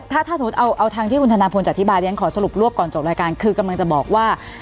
ถ้าสมมุติเอาทางที่คุณธนาพลจะอธิบายเรียนขอสรุปรวบก่อนจบรายการคือกำลังจะบอกว่า